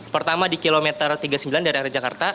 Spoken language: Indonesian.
pertama di kilometer tiga puluh sembilan dari arah jakarta